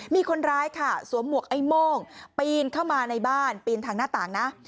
มีคนร้ายค่ะสวมหวกไอ้โม่งปีนเข้ามาในบ้านปีนทางหน้าต่างนะ